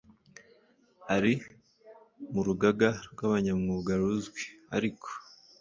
Ari mu rugaga rw abanyamwuga ruzwi ariko